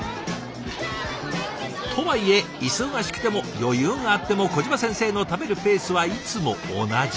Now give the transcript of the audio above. とはいえ忙しくても余裕があっても小島先生の食べるペースはいつも同じ。